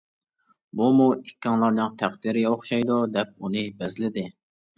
بۇمۇ ئىككىڭلارنىڭ تەقدىرى ئوخشايدۇ دەپ ئۇنى بەزلىدى.